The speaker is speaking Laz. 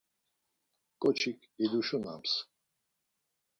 Ǩoçik iduşunams.